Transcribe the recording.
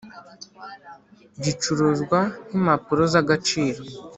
gicuruzwa nki Impapuro z agaciro